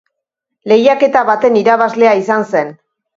Lehiaketa baten irabazlea izan zen.